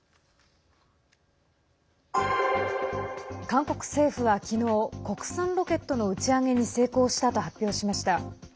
韓国政府は、きのう国産ロケットの打ち上げに成功したと発表しました。